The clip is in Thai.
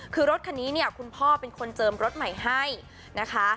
คือรถคันนี้เนี่ยคุณพ่อเป็นคนเจิมรถใหม่ให้นะคะ